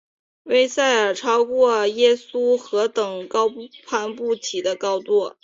威塞尔超过耶稣何等高不可攀的高度！